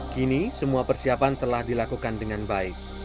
kini semua persiapan telah dilakukan dengan baik